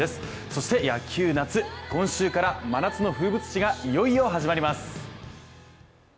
そして、野球、夏、今週から真夏の風物詩がいよいよ始まります。